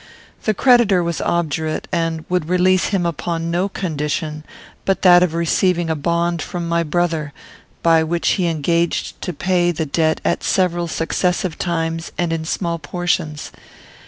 The creditor was obdurate, and would release him upon no condition but that of receiving a bond from my brother, by which he engaged to pay the debt at several successive times and in small portions.